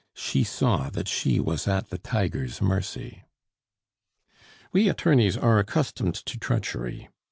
She saw that she was at the tiger's mercy. "We attorneys are accustomed to treachery.